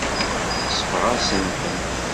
Tesbeɣ-as-ten.